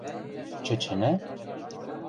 – Чӹчӹнӓ?